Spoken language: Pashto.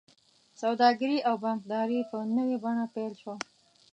سوداګري او بانکداري په نوې بڼه پیل شوه.